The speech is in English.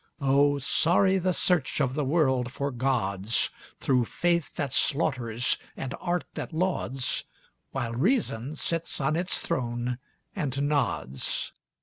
Oh, sorry the search of the world for gods, Through faith that slaughters and art that lauds, While reason sits on its throne and nods.